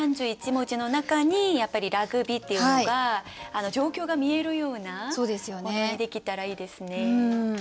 ３１文字の中にやっぱりラグビーっていうのが状況が見えるようなものにできたらいいですね。